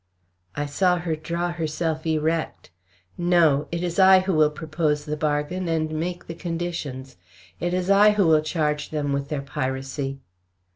I saw her draw herself erect. "No; it is I who will propose the bargain and make the conditions. It is I who will charge them with their piracy."